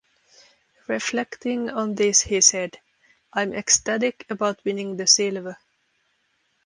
Reflecting on this he said: I'm ecstatic about winning the silver.